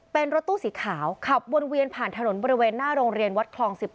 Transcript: เป็นรถตู้สีขาวขับวนเวียนผ่านถนนบริเวณหน้าโรงเรียนวัดคลอง๑๑